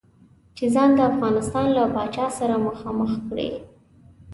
چې ځان د افغانستان له پاچا سره مخامخ کړي.